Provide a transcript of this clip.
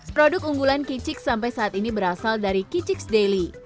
produk unggulan kicix sampai saat ini berasal dari kicix daily